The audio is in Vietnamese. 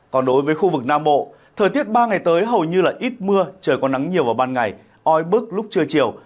còn đối với khu vực nam bộ thời tiết ba ngày tới hầu như là ít mưa trời có nắng nhiều vào ban ngày oi bức lúc trưa chiều